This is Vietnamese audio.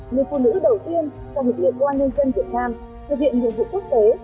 người phụ nữ đầu tiên trong lực lượng công an nhân dân việt nam thực hiện nhiệm vụ quốc tế